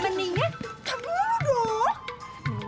mendingan campur dong